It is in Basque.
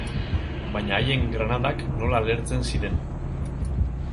Baina haien granadak nola lehertzen ziren.